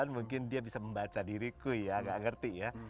mungkin dia bisa membaca diriku ya nggak ngerti ya